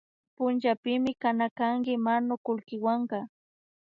Punllapimi kana kanki manukulkiwanka